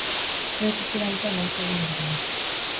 Bere testigantza eman zigun orduan.